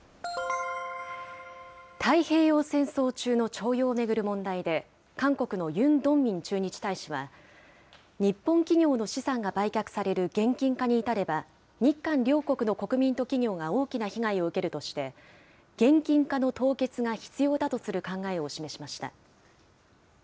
太平洋戦争中の徴用を巡る問題で、韓国のユン・ドンミン駐日大使は、日本企業の資産が売却される現金化に至れば、日韓両国の国民と企業が大きな被害を受けるとして、現金化の凍結が必要だとする考えを示しました。